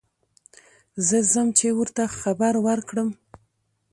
زه ځم چې ور ته خبر ور کړم.